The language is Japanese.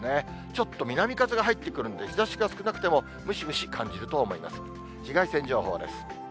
ちょっと南風が入ってくるんで、日ざしが少なくても、ムシムシ感じると思います。